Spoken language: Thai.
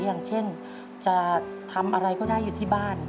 อย่างเช่นจะทำอะไรก็ได้อยู่ที่บ้าน